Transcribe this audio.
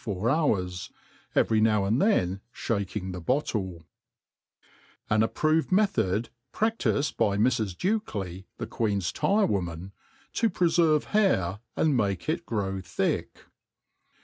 four hours; every now and then fhaking the bottle. An approved Method praSiifed hy Mrs. Dukely^ the ^eeris Tyro^ IVomany to prefervt Hairy and make it grow thick.